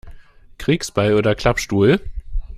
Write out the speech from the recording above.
Kriegsbeil oder Klappstuhl?